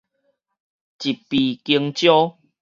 一枇弓蕉